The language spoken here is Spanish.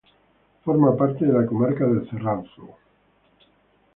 Forma parte de la comarca del Cerrato.